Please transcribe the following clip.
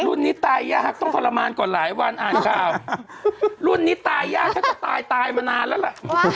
รุ่นนี้ตายยากต้องทรมานก่อนหลายวันอ่านข่าวรุ่นนี้ตายยากฉันก็ตายตายมานานแล้วล่ะ